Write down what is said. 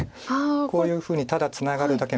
こういうふうにただツナがるだけの手。